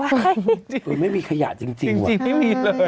จริงไม่มีขยะจริงว่ะจริงไม่มีเลย